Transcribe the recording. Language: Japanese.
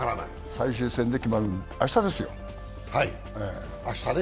最終戦で決まる、明日ですね。